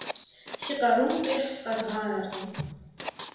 Си къарум къихь къэзгъанэркъым.